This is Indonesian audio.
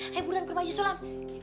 hai buruan ke rumah aji sulam